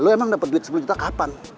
lo emang dapat duit sepuluh juta kapan